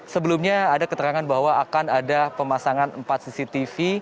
sebelumnya ada keterangan bahwa akan ada pemasangan empat cctv